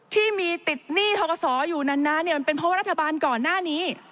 ที่นี่ติดทครสอยู่นั้นนั้นมันเป็นเพราะว่ารัฐบาลก่อนหน้านี้